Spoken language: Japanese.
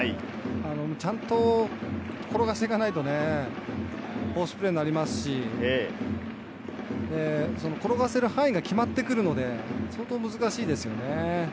ちゃんと転がしていかないとフォースプレーになりますし、転がせる範囲が決まってくるので、相当難しいですよね。